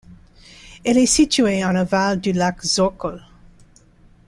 Elle est située en aval du lac Zorkul.